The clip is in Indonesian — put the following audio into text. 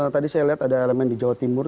tadi saya lihat ada elemen di jawa timur